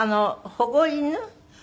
保護犬？